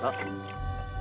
terima kasih ya